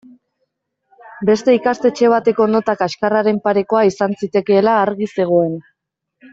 Beste ikastetxe bateko nota kaxkarraren parekoa izan zitekeela argi zegoen.